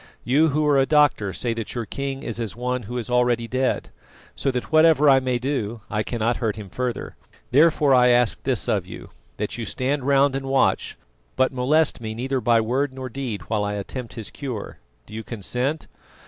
You who are a doctor say that your king is as one who is already dead, so that whatever I may do I cannot hurt him further. Therefore I ask this of you, that you stand round and watch, but molest me neither by word nor deed while I attempt his cure. Do you consent?"